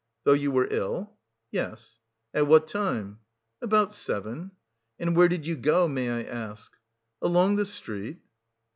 "Though you were ill?" "Yes." "At what time?" "About seven." "And where did you go, may I ask?" "Along the street."